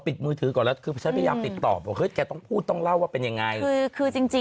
พี่แคร์สรุปซึ่งใคร